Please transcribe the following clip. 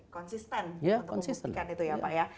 konsisten untuk membustikan itu ya pak ya